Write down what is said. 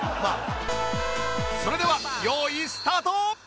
それでは用意スタート！